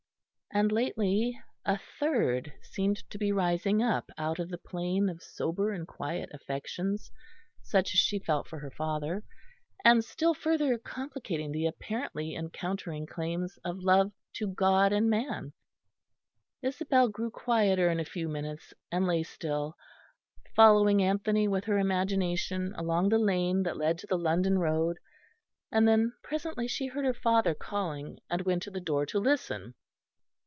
And lately a third seemed to be rising up out of the plane of sober and quiet affections such as she felt for her father, and still further complicating the apparently encountering claims of love to God and man. Isabel grew quieter in a few minutes and lay still, following Anthony with her imagination along the lane that led to the London road, and then presently she heard her father calling, and went to the door to listen.